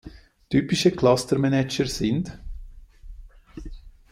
Typische Cluster Manager sind